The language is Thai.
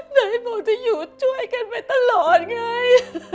ไหนบอกจะอยู่ช่วยกันไปตลอดไง